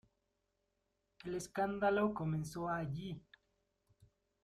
El escándalo comenzó allí.